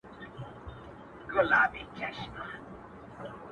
پر دوږخ باندي صراط او نري پلونه -